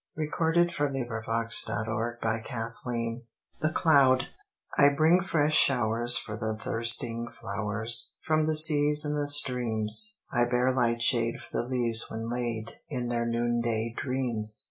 Sydney D obeli 144 RAINBOW GOLD THE CLOUD I BRING fresh showers for the thirsting flowers From the seas and the streams; I bear light shade for the leaves when laid In their noonday dreams.